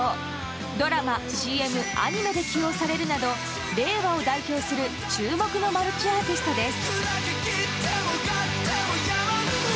ドラマ、ＣＭ、アニメで起用されるなど令和を代表する注目のマルチアーティストです。